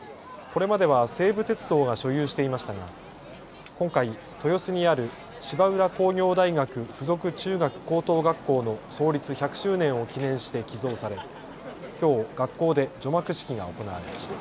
これまでは西武鉄道が所有していましたが今回、豊洲にある芝浦工業大学附属中学高等学校の創立１００周年を記念して寄贈されきょう学校で除幕式が行われました。